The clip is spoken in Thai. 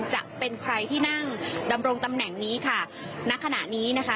จะเป็นใครที่นั่งดำรงตำแหน่งนี้ค่ะณขณะนี้นะคะ